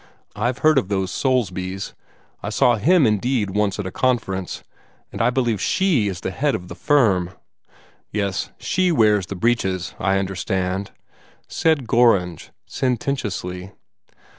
I've heard of those Soulsbys; I think I saw HIM indeed once at Conference, but I believe SHE is the head of the firm." "Yes; she wears the breeches, I understand," said Gorringe sententiously.